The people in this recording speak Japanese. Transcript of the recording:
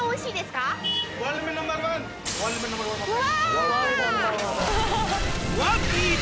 うわ！